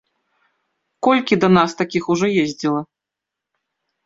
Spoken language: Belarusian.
Колькі да нас такіх ужо ездзіла?